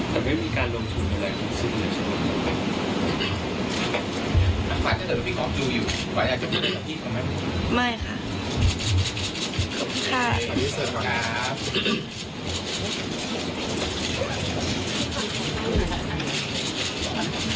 แต่ไม่มีการลงทุนอะไรครับคุณซีรีย์สิบนึง